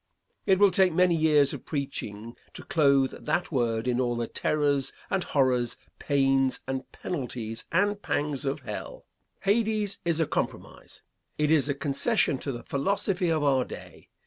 It will take many years of preaching to clothe that word in all the terrors and horrors, pains, and penalties and pangs of hell. Hades is a compromise. It is a concession to the philosophy of our day.